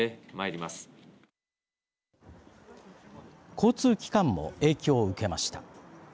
交通機関も影響を受けました。